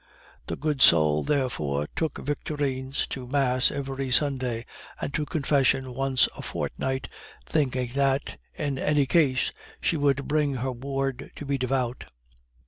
The good soul, therefore, took Victorine to mass every Sunday, and to confession once a fortnight, thinking that, in any case, she would bring up her ward to be devout.